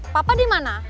papa di mana